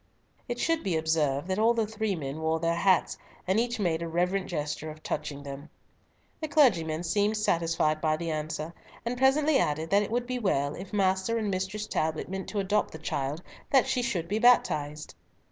It should be observed that all the three men wore their hats, and each made a reverent gesture of touching them. The clergyman seemed satisfied by the answer, and presently added that it would be well, if Master and Mistress Talbot meant to adopt the child, that she should be baptized.